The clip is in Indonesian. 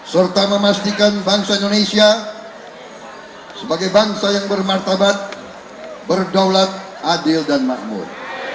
serta memastikan bangsa indonesia sebagai bangsa yang bermartabat berdaulat adil dan makmur